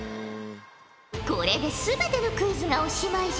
これで全てのクイズがおしまいじゃ。